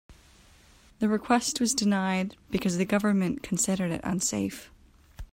The request was denied because the government considered it unsafe.